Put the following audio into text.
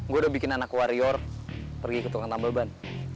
gue udah bikin anak warior pergi ke tukang tambal ban